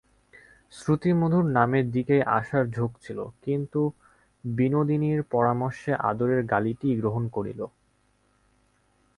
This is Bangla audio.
শ্রুতিমধুর নামের দিকেই আশার ঝোঁক ছিল, কিন্তু বিনোদিনীর পরামর্শে আদরের গালিটিই গ্রহণ করিল।